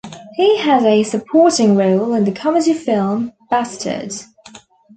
He had a supporting role in the comedy film "Bastards".